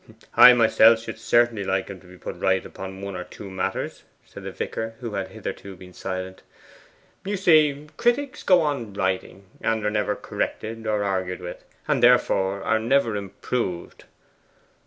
'I myself should certainly like him to be put right upon one or two matters,' said the vicar, who had hitherto been silent. 'You see, critics go on writing, and are never corrected or argued with, and therefore are never improved.